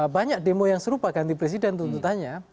banyak demo yang serupa ganti presiden tuntutannya